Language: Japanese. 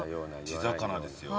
地魚ですよ。